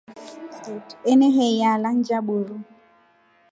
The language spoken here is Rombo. Enehiya alya nja buru.